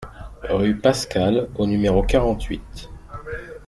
Rue Pascal au numéro quarante-huit